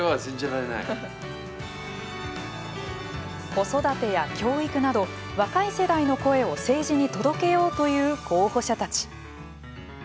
子育てや教育など若い世代の声を政治に届けようという候補者たち。